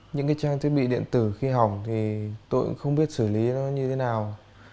những cái trang thiết bị điện tử khi hỏng thì tôi cũng không biết xử lý nó như thế nào